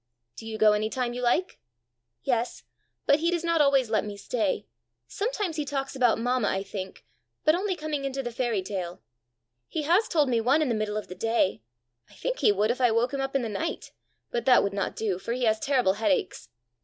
"Do you go any time you like?" "Yes; but he does not always let me stay. Sometimes he talks about mamma, I think; but only coming into the fairy tale. He has told me one in the middle of the day! I think he would if I woke him up in the night! But that would not do, for he has terrible headaches.